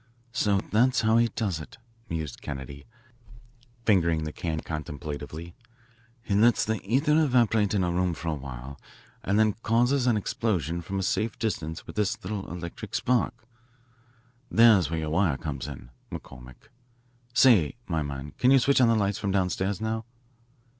"So, that's how he does it," mused Kennedy, fingering the can contemplatively. "He lets the ether evaporate in a room for a while and then causes an explosion from a safe distance with this little electric spark. There's where your wire comes in, McCormick. Say, my man, you can switch on the lights from downstairs, now."